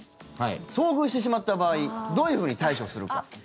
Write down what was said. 遭遇してしまった場合どういうふうに対処するか。